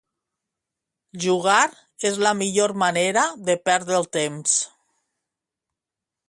Jugar és la millor manera de perdre el temps